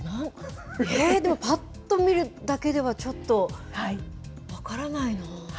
でも、ぱっと見るだけではちょっと分からない。